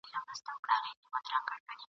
پر دې هم بيريږم چي شرموښ به يې در څخه وخوري.